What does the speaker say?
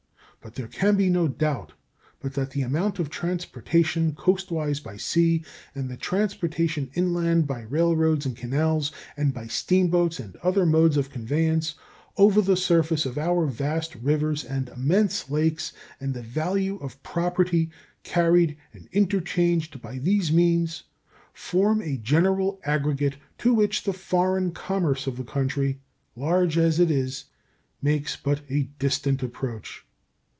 But there can be no doubt but that the amount of transportation coastwise by sea, and the transportation inland by railroads and canals, and by steamboats and other modes of conveyance over the surface of our vast rivers and immense lakes, and the value of property carried and interchanged by these means form a general aggregate to which the foreign commerce of the country, large as it is, makes but a distant approach.